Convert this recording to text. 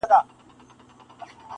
• چي د كوم يوه دښمن د چا پر خوا سي -